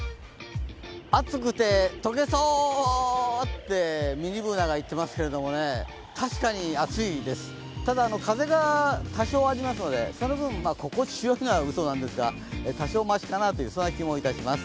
暑くて溶けそう！ってミニＢｏｏｎａがいっていますけど確かに暑いです、ただ、風が多少ありますので、その分、心地よいのはうそなんですが、多少ましかなという気がいたします。